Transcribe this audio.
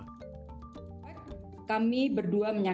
pertama kami berdua berdua berpengalaman